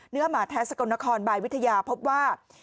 หมาแท้สกลนครบายวิทยาพบว่า